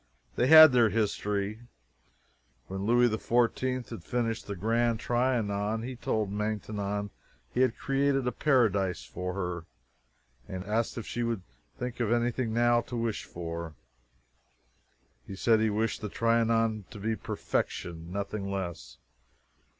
They had their history. When Louis XIV had finished the Grand Trianon, he told Maintenon he had created a Paradise for her, and asked if she could think of anything now to wish for. He said he wished the Trianon to be perfection nothing less.